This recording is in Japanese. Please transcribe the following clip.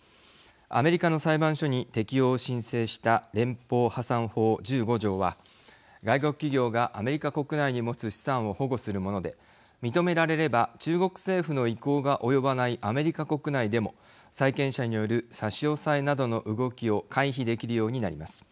アメリカの裁判所に適用を申請した連邦破産法１５条は外国企業がアメリカ国内に持つ資産を保護するもので認められれば中国政府の意向が及ばないアメリカ国内でも債権者による差し押さえなどの動きを回避できるようになります。